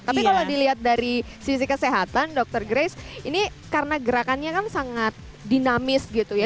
tapi kalau dilihat dari sisi kesehatan dokter grace ini karena gerakannya kan sangat dinamis gitu ya